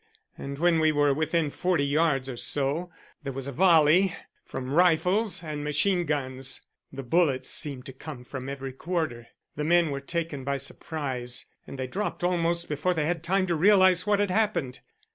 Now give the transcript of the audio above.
And when we were within forty yards or so there was a volley from rifles and machine guns. The bullets seemed to come from every quarter. The men were taken by surprise and they dropped almost before they had time to realize what had happened.